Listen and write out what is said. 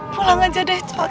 pulang aja deh cocok